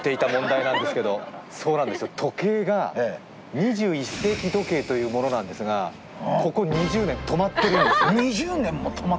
２１世紀時計というものなんですがここ２０年、止まっているんです。